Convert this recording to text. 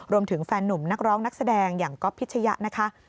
รวมถึงแฟนนุ่มนักร้องนักแสดงอย่างก๊อฟพิชยะนะคะ